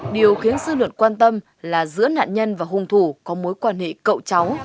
điều khiến dư luận quan tâm là giữa nạn nhân và hung thủ có mối quan hệ cậu cháu